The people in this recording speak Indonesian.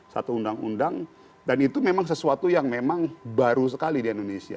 satu undang undang dan itu memang sesuatu yang memang baru sekali di indonesia